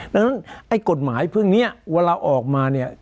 ดังนั้นไอ้กฎหมายพวกนี้เวลาออกมาเนี่ย